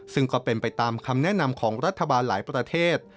ซึ่งก็เป็นไปตามคำแนะนำของรัฐบาลหลายประเทศ